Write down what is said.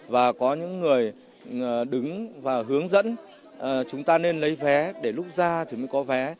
và có những người đứng và hướng dẫn chúng ta nên lấy vé để lúc ra thì mới có vé